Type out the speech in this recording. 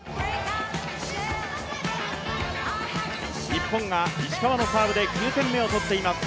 日本が石川のサーブで９点目を取っています。